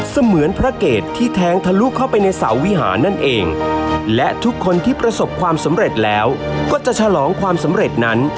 เสมือนพระเกตที่แท้งทะลุเข้าไปในเสาวิหารนั่นเองและทุกคนที่ประสบความสำเร็จแล้วก็จะฉลองความสำเร็จนั้น